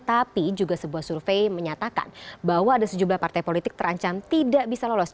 tapi juga sebuah survei menyatakan bahwa ada sejumlah partai politik terancam tidak bisa lolos